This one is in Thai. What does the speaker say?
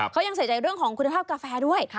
เขายังใส่ใจเรื่องของคุณภาพกาแฟด้วย